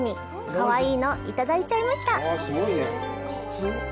かわいいの、いただいちゃいました。